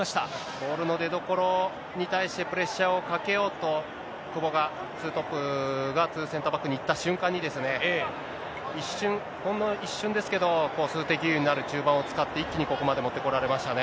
ボールの出どころに対してプレッシャーをかけようと、久保が、ツートップがツーセンターバックに行った瞬間に、一瞬、ほんの一瞬ですけど、数的優位になる中盤を使って、一気にここまで持ってこられましたね。